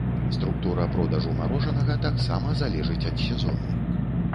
Структура продажу марожанага таксама залежыць ад сезону.